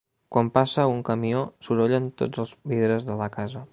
Quan passa un camió sorollen tots els vidres de la casa.